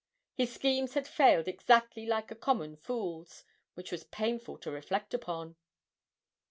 His schemes had failed exactly like a common fool's which was painful to reflect upon.